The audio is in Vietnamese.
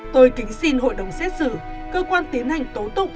tôi kính xin hội đồng xét xử cơ quan tiến hành tố tụng